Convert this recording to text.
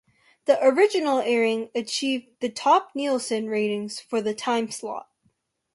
The original airing achieved the top Nielsen ratings for the time slot.